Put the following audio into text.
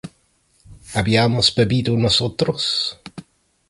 ¿habíamos bebido nosotros?